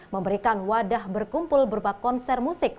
memberikan wadah berkumpul berupa konser musik